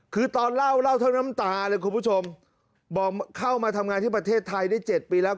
คือตอนเล่าเล่าทั้งน้ำตาเลยคุณผู้ชมบอกเข้ามาทำงานที่ประเทศไทยได้๗ปีแล้ว